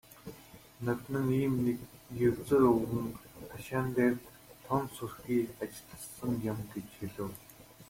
"Ноднин ийм нэг егзөр өвгөн хашаан дээр тун сүрхий ажилласан юм" гэж хэлэв.